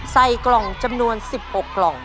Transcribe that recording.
ใส่กล่องจำนวน๑๖กล่อง